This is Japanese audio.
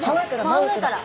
真上から。